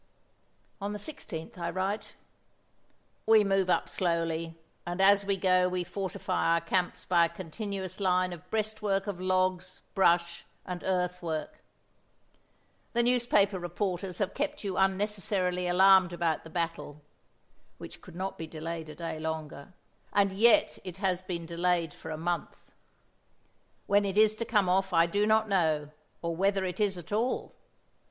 On the 16th I write: "We move up slowly, and as we go we fortify our camps by a continuous line of breastworks of logs, brush, and earthwork. The newspaper reporters have kept you unnecessarily alarmed about the battle 'which could not be delayed a day longer,' and yet it has been delayed for a month. When it is to come off I do not know, or whether it is at all.